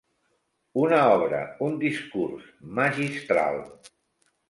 Una obra, un discurs, magistral.